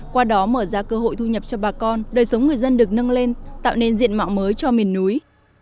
qua đó mở ra cơ hội thu nhập cho bà con đời sống người dân được nâng lên tạo nên diện mạo mới cho miền núi